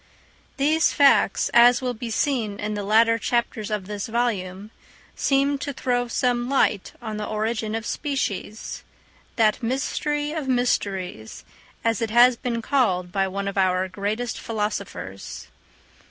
These facts, as will be seen in the latter chapters of this volume, seemed to throw some light on the origin of species—that mystery of mysteries, as it has been called by one of our greatest philosophers.